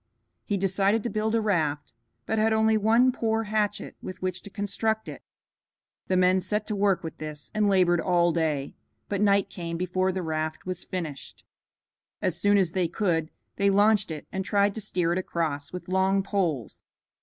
He decided to build a raft, but had only one poor hatchet with which to construct it. The men set to work with this, and labored all day, but night came before the raft was finished. As soon as they could they launched it and tried to steer it across with long poles.